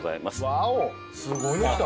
ワオすごいの来た。